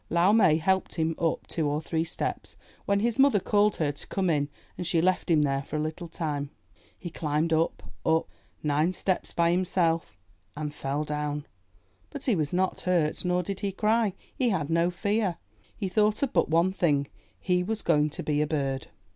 Lau Mai helped him up two or three steps, when his mother called her to come in, and she left him there for a little time. He climbed up, up, nine steps by himself — and fell down. But he was not hurt, nor did he cry; he had no fear — he thought of but one thing — he was going to be a bird.